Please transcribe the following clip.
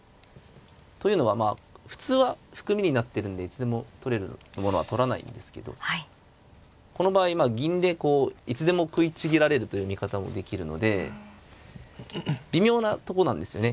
というのはまあ普通は含みになってるんでいつでも取れるものは取らないんですけどこの場合銀でこういつでも食いちぎられるという見方もできるので微妙なとこなんですよね。